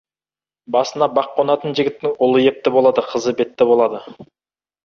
Басына бақ қонатын жігіттің ұлы епті болады, қызы бетті болады.